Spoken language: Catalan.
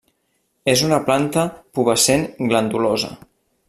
És una planta pubescent glandulosa.